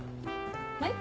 はい？